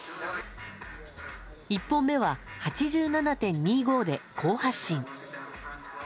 １本目は８７．２５で好発進。